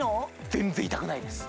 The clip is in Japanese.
全然痛くないです